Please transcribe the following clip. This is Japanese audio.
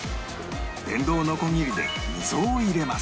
電動のこぎりで溝を入れます